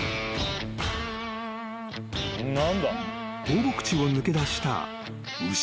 ［放牧地を抜け出した牛］